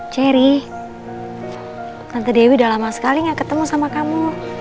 cherry tante dewi udah lama sekali gak ketemu sama kamu